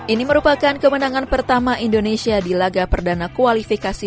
ini merupakan kemenangan pertama indonesia di laga perdana kualifikasi piala asia sejak dua ribu tiga